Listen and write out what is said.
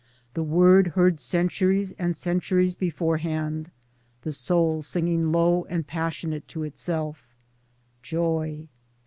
the word heard centuries and centuries beforehand ; the soul singing low and pas sionate to itself : Joy